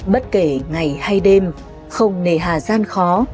bất kể ngày hay đêm không nề hà gian khó